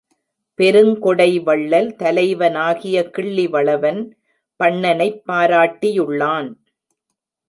பெருங்கொடை வள்ளல் தலைவனாகிய கிள்ளி வளவன் பண்ணனைப் பாராட்டியுள்ளான்.